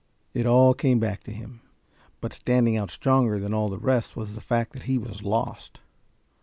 It all came back to him but standing out stronger than all the rest was the fact that he was lost.